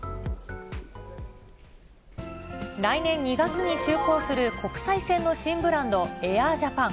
来年２月に就航する国際線の新ブランド、ＡｉｒＪａｐａｎ。